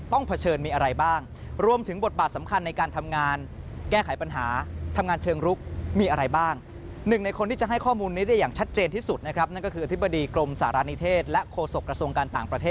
คุณเสกวันนั้นเมทีครับสวัสดีครับท่านครับ